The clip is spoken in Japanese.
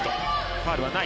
ファウルはない。